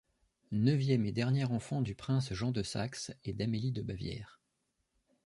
Neuvième et dernier enfant du prince Jean de Saxe et d'Amélie de Bavière.